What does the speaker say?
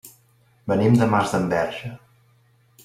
Venim de Masdenverge.